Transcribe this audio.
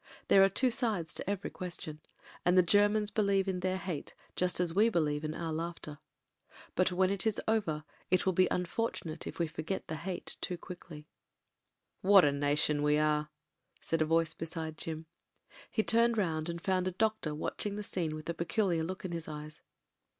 There are two sides to every question, and the Germans believe in their hate just as we believe in our laughter. But when it is over, it will be unfortunate if we forget the hate too quickly. ••••• "What a nation we are!" said a voice beside Jim. He turned round and found a doctor watching^ the scene with a peculiar look in his eyes.